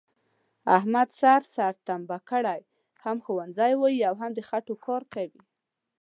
احمد سر تمبه کړی، هم ښوونځی وایي او هم د خټوکار کوي،